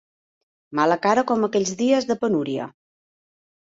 Mala cara com aquells dies de penúria